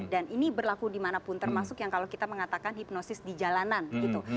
dan ini berlaku dimanapun termasuk yang kalau kita mengatakan hipnosis di jalanan gitu